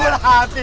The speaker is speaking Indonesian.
ada apaan sih